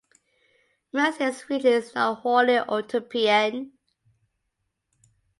Mercier's future is not wholly utopian.